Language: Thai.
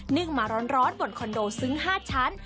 ึ่งมาร้อนบนคอนโดซึ้ง๕ชั้น